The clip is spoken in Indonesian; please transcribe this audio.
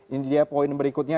ini dia poin berikutnya